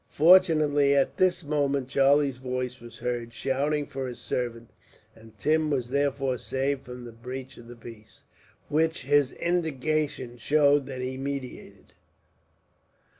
Fortunately, at this moment Charlie's voice was heard, shouting for his servant; and Tim was therefore saved from the breach of the peace, which his indignation showed that he meditated.